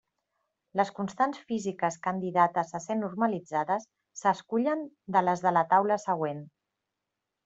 Les constants físiques candidates a ser normalitzades s'escullen de les de la taula següent.